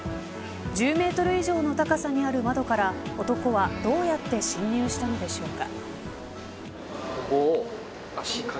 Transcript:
１０メートル以上の高さにある窓から男はどうやって侵入したのでしょうか。